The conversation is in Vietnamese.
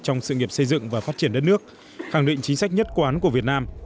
trong sự nghiệp xây dựng và phát triển đất nước khẳng định chính sách nhất quán của việt nam